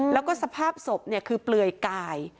แล้วก็สภาพศพคือเปลือยกาย